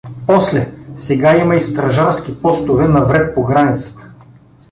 После, сега има и стражарски постове навред по границата.